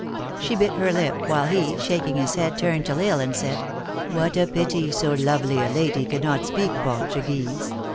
She bit her lip, while he, shaking his head, turned to L Isle, and said, " what a pity so lovely a lady cannot speak Portuguese.